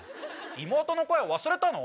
妹の声忘れたの？